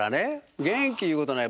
元気いうことない。